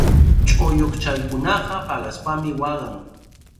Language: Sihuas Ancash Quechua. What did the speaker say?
Chullukshaykunaqa paqaspami waqan.